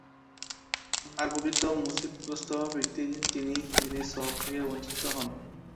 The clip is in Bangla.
আর প্রকৃত মুসীবতগ্রস্ত ব্যক্তি তিনিই, যিনি সওয়াব থেকে বঞ্চিত হন।